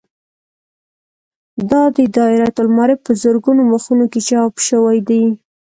دا دایرة المعارف په زرګونو مخونو کې چاپ شوی دی.